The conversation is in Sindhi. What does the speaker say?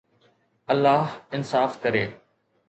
الله انصاف ڪري